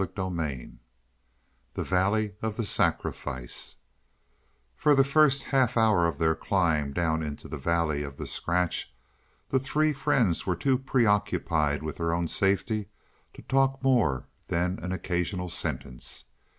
CHAPTER XV THE VALLEY OF THE SACRIFICE For the first half hour of their climb down into the valley of the scratch, the three friends were too preoccupied with their own safety to talk more than an occasional sentence.